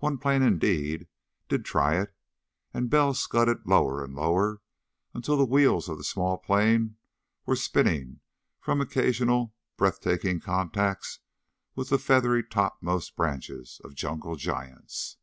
One plane, indeed, did try it, and Bell scudded lower and lower until the wheels of the small plane were spinning from occasional, breath taking contacts with the feathery topmost branches of jungle giants.